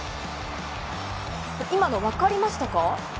今の分かりましたか？